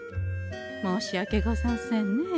申し訳ござんせんねえ。